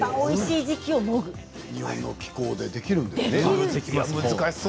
日本の気候でできるんですね。